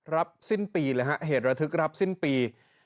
รับสิ้นปีเลยฮะเหตุระทึกรับสิ้นปี